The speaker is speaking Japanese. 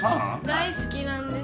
大好きなんです